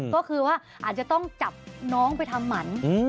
ก็คือว่าอาจจะต้องจับน้องไปทำหมัน